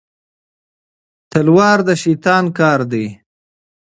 بيړه د شيطان کار دی.